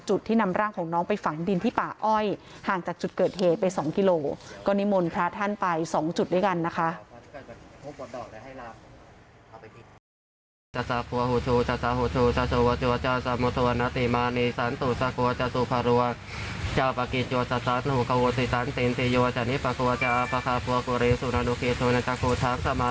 ที่นำร่างของน้องไปฝังดินที่ป่าอ้อยห่างจากจุดเกิดเหตุไป๒กิโลก็นิมนต์พระท่านไป๒จุดด้วยกันนะคะ